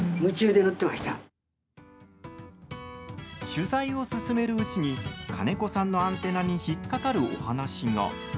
取材を進めるうちに金子さんのアンテナに引っ掛かるお話が。